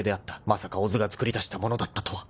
［まさか小津が作り出したものだったとは］